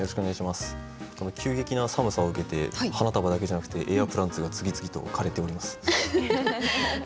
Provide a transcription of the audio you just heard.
この急激な寒さを受けて花束だけじゃなくてエアプランツが次々と枯れております。